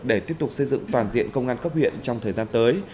để tiếp tục xây dựng toàn diện công an cấp huyện trong thời gian tới